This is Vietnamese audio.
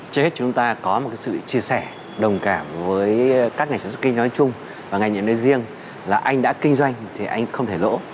trên hết chúng ta có một sự chia sẻ đồng cảm với các ngành sản xuất kinh doanh chung và ngành doanh riêng là anh đã kinh doanh thì anh không thể lỗ